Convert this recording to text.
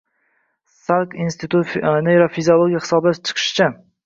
Salk instituti neyrofiziologlarining hisoblab chiqishicha